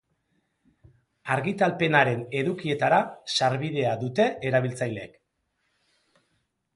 Argitalpenaren edukietara sarbidea dute erabiltzaileek.